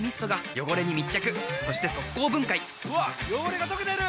汚れが溶けてる！